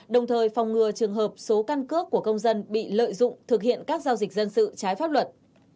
đồng thời phòng ngừa trường hợp số căn cước của công dân bị lợi dụng thực hiện các giao dịch dân sự trái pháp luật